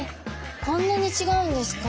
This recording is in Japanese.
こんなに違うんですか？